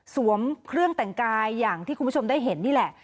เครื่องแต่งกายอย่างที่คุณผู้ชมได้เห็นนี่แหละ